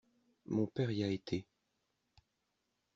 Mon père y a été.